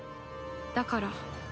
だから